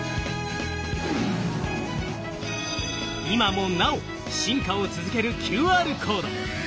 今もなお進化を続けるＱＲコード。